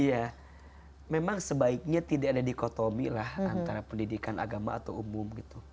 iya memang sebaiknya tidak ada dikotomi lah antara pendidikan agama atau umum gitu